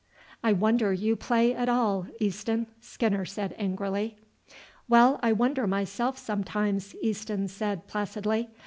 "I wonder you play at all, Easton," Skinner said angrily. "Well, I wonder myself sometimes," Easton said placidly.